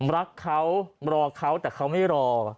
รักเขารอเขาแต่เขาไม่รอ